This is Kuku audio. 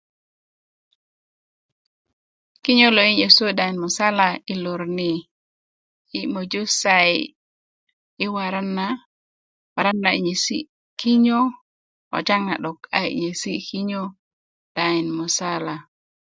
kinyo lo i nyesu daŋin musala i lor ni yi moju sai i waran na paran na a yi nyesi kinyo ko tiyaŋ na 'dok ayi nyesi kinyo daŋin musala